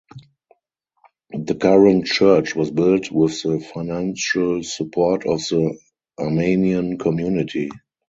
The current church was built with the financial support of the Armenian community.